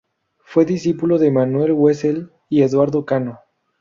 Fue discípulo de Manuel Wessel y Eduardo Cano.